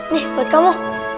nih buat kamu